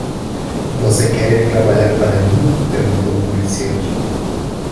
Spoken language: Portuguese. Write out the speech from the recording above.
"Você quer ir trabalhar para mim?", Perguntou o comerciante.